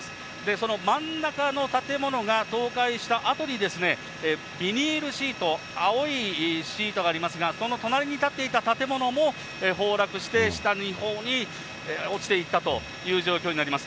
その真ん中の建物が倒壊したあとにですね、ビニールシート、青いシートがありますが、その隣りに建っていた建物も崩落して、下のほうに落ちていったという状況になります。